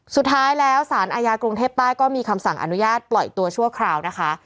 สุดท้ายแล้วสารอาญากรุงเทพใต้ก็มีคำสั่งอนุญาตปล่อยตัวชั่วคราวนะคะ